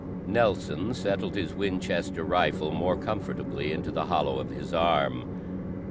Nelson settled his Winchester rifle more comfortably into the hollow of his arm.